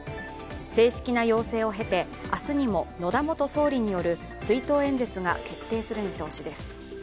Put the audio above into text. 正式な要請を経て明日にも野田元総理による追悼演説が決定する見通しです。